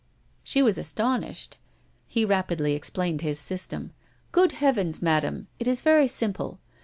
She was astonished; he rapidly explained his system: "Good heavens, Madame, it is very simple.